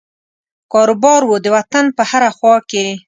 کاروبار وو د وطن په هره خوا کې.